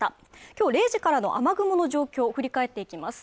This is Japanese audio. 今日０時からの雨雲の状況を振り返っていきます